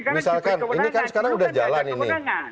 misalkan ini kan sekarang udah jalan ini